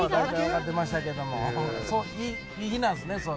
そういう日なんですね。